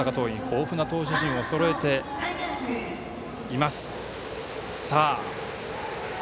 豊富な投手陣をそろえています。